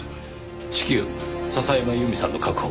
至急笹山由美さんの確保